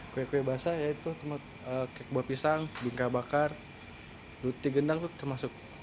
kue kue basah yaitu kek buah pisang bingkai bakar luti gendang itu termasuk